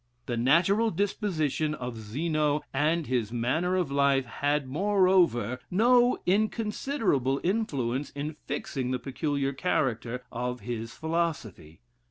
The natural disposition of Zeno, and his manner of life, had, moreover, no inconsiderable influence in fixing the peculiar character of his philosophy.